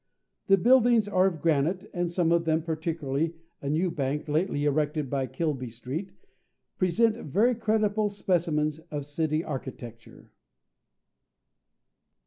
The buildings are of granite, and some of them, particularly a new bank, lately erected near Kilby Street, present very creditable specimens of city architecture.